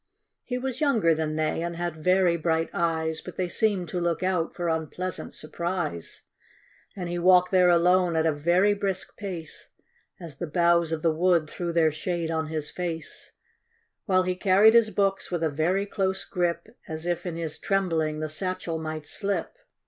He was younger than they, and had very bright eyes, But they seemed to look out for unpleasant surprise ; And he walked there alone at a very brisk pace, As the boughs of the wood threw their shade on his face, While he carried his books with a very close grip, As if in his trembling the satchel might slip.